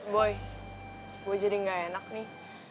boy gue jadi gak enak nih